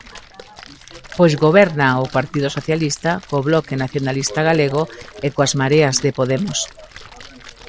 Pois gobérnaa o Partido Socialista co Bloque Nacionalista Galego e coas Mareas de Podemos.